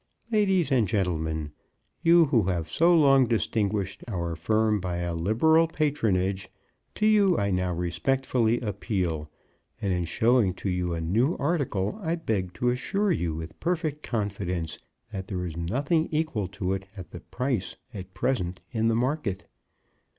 Ladies and gentlemen, you who have so long distinguished our firm by a liberal patronage, to you I now respectfully appeal, and in showing to you a new article I beg to assure you with perfect confidence that there is nothing equal to it at the price at present in the market.